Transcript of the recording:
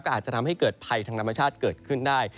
อาจจะทำให้เกิดภัยทางธรรมชาติเกิดขึ้นได้